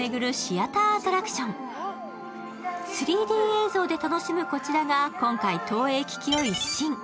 ３Ｄ映像で楽しむこちらが今回、投影機器を一新。